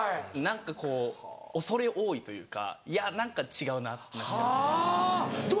何かこう恐れ多いというかいや何か違うなってなっちゃいます。